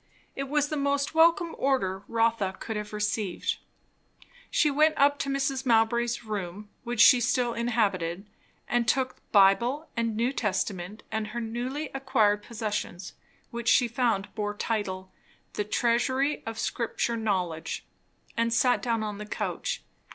It was the most welcome order Rotha could have received. She went up to Mrs. Mowbray's room, which she still inhabited, and took Bible and New Testament and her newly acquired possession, which she found bore title, "The Treasury of Scripture Knowledge," and sat down on the couch.